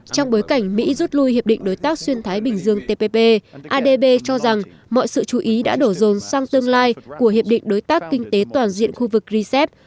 trong bối cảnh mỹ rút lui hiệp định đối tác xuyên thái bình dương tpp adb cho rằng mọi sự chú ý đã đổ rồn sang tương lai của hiệp định đối tác kinh tế toàn diện khu vực rcep